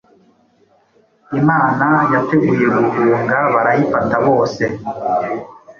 Imana yateguye guhunga Barayifata bose